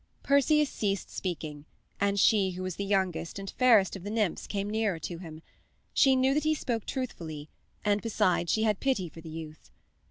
Perseus ceased speaking, and she who was the youngest and fairest of the nymphs came nearer to him. She knew that he spoke truthfully, and besides she had pity for the youth.